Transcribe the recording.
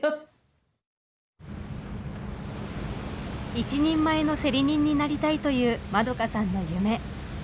一人前の競り人になりたいというまどかさんの夢。